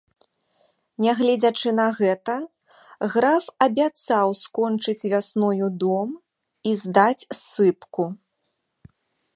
Нягледзячы на гэта, граф абяцаў скончыць вясною дом і здаць ссыпку.